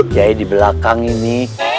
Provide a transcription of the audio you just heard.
giai di belakang ini